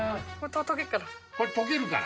これ溶けるから。